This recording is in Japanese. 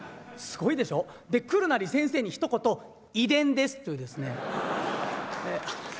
すごいでしょ？で来るなり先生にひと言「遺伝です」って。